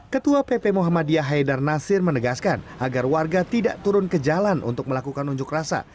ketua pp muhammadiyah haidar nasir menegaskan agar warga tidak turun ke jalan untuk melakukan unjuk rasa